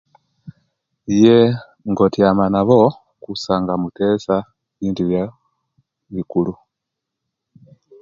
Yee nga tyama nabo kusa nga mutesya bintu byabikulu